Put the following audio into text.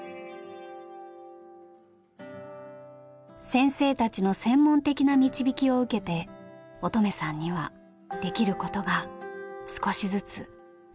先生たちの専門的な導きを受けて音十愛さんにはできることが少しずつ少しずつ増えていきました。